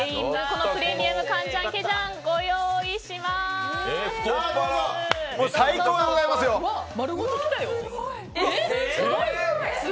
プレミアムカンジャンケジャンご用意します！